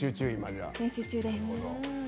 練習中です。